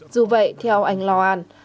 dù vậy theo anh lawan